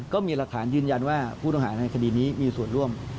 ก็มีหลักฐานยืนยันว่าผู้ต้องหาในคดีนี้มีส่วนร่วม